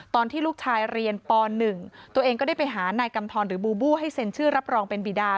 ตอนที่ลูกชายเรียนป๑ตัวเองก็ได้ไปหานายกำทรหรือบูบูให้เซ็นชื่อรับรองเป็นบีดา